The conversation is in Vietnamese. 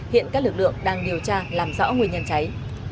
hiện các lực lượng đang điều tra làm rõ nguyên nhân cháy